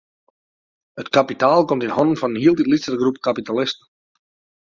It kapitaal komt yn hannen fan in hieltyd lytsere groep kapitalisten.